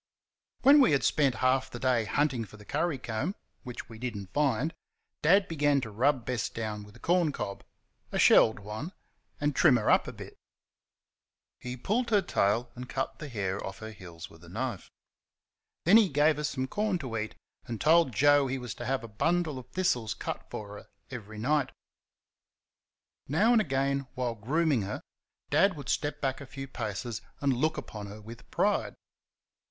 When we had spent half the day hunting for the curry comb, which we did n't find, Dad began to rub Bess down with a corn cob a shelled one and trim her up a bit. He pulled her tail and cut the hair off her heels with a knife; then he gave her some corn to eat, and told Joe he was to have a bundle of thistles cut for her every night. Now and again, while grooming her, Dad would step back a few paces and look upon her with pride.